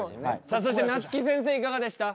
さあそしてなつき先生いかがでした？